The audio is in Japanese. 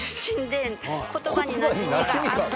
「言葉に馴染みがあった」。